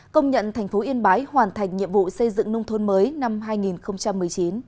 công nhận thành phố yên bái hoàn thành nhiệm vụ xây dựng nông thôn mới năm hai nghìn một mươi chín